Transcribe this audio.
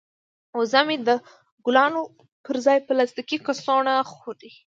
وزه مې د ګلانو پر ځای پلاستیکي کڅوړې خوري.